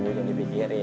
biar dipikirin ya